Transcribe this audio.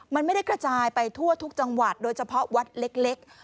มันไม่ได้กระจายไปทั่วทุกจังหวัดโดยเฉพาะวัดเล็ก